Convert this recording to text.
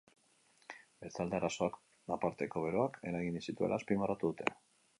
Bestalde, arazoak aparteko beroak eragin zituela azpimarratu dute.